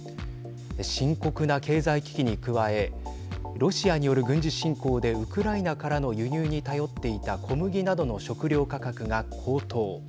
深刻な経済危機に加えロシアによる軍事侵攻でウクライナからの輸入に頼っていた小麦などの食料価格が高騰。